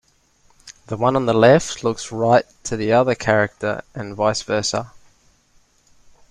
The one on the left looks right to the other character and vice versa.